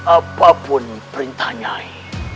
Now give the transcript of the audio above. apapun perintah nyai